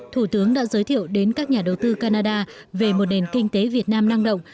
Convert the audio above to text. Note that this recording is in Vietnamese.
thủ tướng đã giới thiệu đến các nhà đầu tư canada về một nền kinh tế việt nam năng động